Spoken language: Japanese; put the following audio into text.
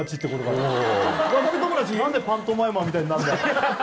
何でパントマイマーみたいになるんだ？